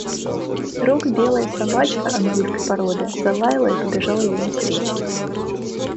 Вдруг белая собачка английской породы залаяла и побежала ей навстречу.